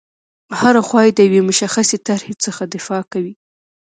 هره خوا یې د یوې مشخصې طرحې څخه دفاع کوي.